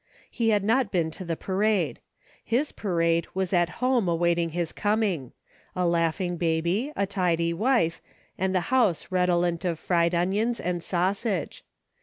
He had not been to the parade. His parade was at home awaiting his coming, — a laughing baby, a tidy wife, and the house redolent of fried onions and sausage.